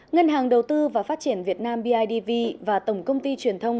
ngân hàng đầu tư và phát triển việt nam bidv và tổng công ty truyền thông